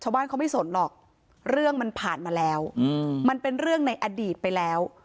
ชาวบ้านเขาไม่สนหรอกเรื่องมันผ่านมาแล้วมันเป็นเรื่องในอดีตไปแล้ว